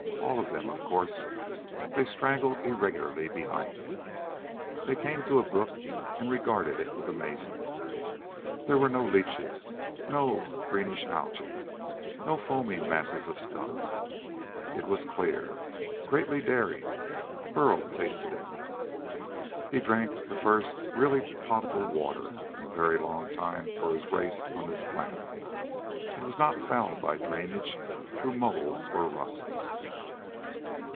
All of them, of course. They straggled irregularly behind him. They came to a brook and regarded it with amazement. There were no leeches. No greenish algae. No foaming masses of scum. It was dear! Greatly daring, Burl tasted it. He drank the first really potable water in a very long time for his race on this planet. It was not fouled by drainage through moulds or rusts.